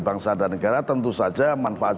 bangsa dan negara tentu saja manfaat